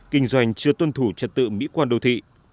kinh doanh chưa tuân thủ trật tự mỹ quan đô thị